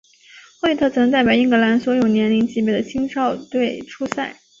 惠特曾代表英格兰所有年龄级别的青少队出赛。